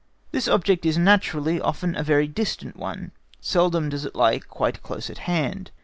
This object is naturally often a very distant one, seldom does it lie quite close at hand.